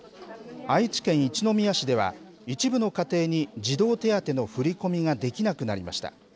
愛知県一宮市では、一部の家庭に児童手当の振り込みができなくなりました。